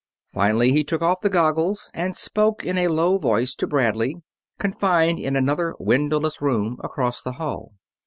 Finally, he took off the goggles and spoke in a low voice to Bradley, confined in another windowless room across the hall.